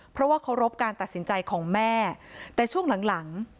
เพราะว่าเคารพการตัดสินใจของแม่แต่ช่วงหลังหลัง